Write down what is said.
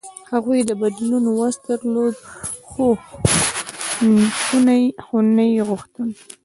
هغوی د بدلون وس درلود، خو نه یې غوښتل.